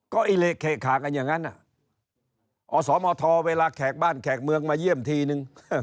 ก็อิเละเขขากันอย่างนั้นอสมทเวลาแขกบ้านแขกเมืองมาเยี่ยมทีนึง